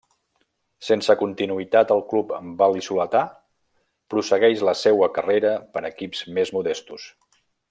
Sense continuïtat al club val·lisoletà, prossegueix la seua carrera per equips més modestos.